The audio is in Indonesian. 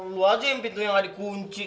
lo aja yang pintunya nggak dikunci